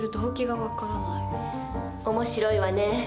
面白いわねえ。